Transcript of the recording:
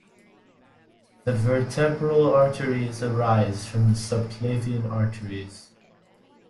The vertebral arteries arise from the subclavian arteries.